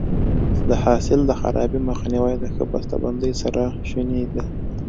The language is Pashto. د حاصل د خرابي مخنیوی د ښه بسته بندۍ سره شونی دی.